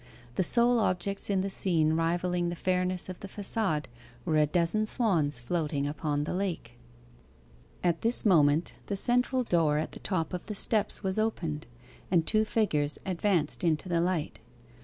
The sole objects in the scene rivalling the fairness of the facade were a dozen swans floating upon the lake. At this moment the central door at the top of the steps was opened, and two figures advanced into the light.